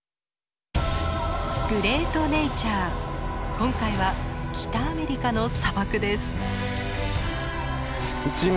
今回は北アメリカの砂漠です。